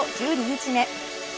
１２日目。